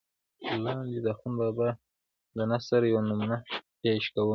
لاندې دَاخون بابا دَنثر يوه نمونه پېش کوم